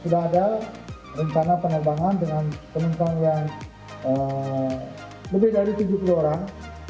sudah ada rencana penerbangan dengan penumpang yang lebih dari tujuh puluh orang